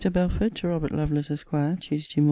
BELFORD, TO ROBERT LOVELACE, ESQ. TUESDAY MORN.